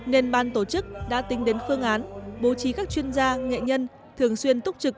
nên ban tổ chức đã tính đến phương án bố trí các chuyên gia nghệ nhân thường xuyên túc trực